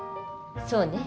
そうね。